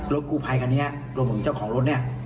รถกูภายกันเนี่ยรถกูภายมีเจ้าของรถเนี่ย